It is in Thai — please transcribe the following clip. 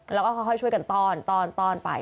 แล้วก็ค่อยช่วยกันต้อนไป